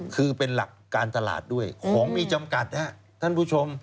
คือเป็นหลักการตลาดด้วยของมีจำกัดนะครับท่านผู้ชม